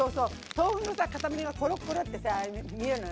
豆腐のさ塊がコロッコロッてさ見えるのよね。